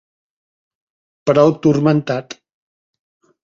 Prou turmentat.